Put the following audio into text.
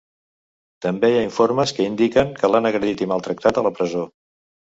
També hi ha informes que indiquen que l'han agredit i maltractat a la presó.